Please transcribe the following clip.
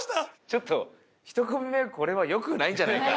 ちょっと１組目これはよくないんじゃないか？